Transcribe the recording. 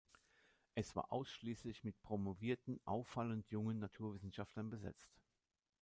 Es war ausschließlich mit promovierten, auffallend jungen Naturwissenschaftlern besetzt.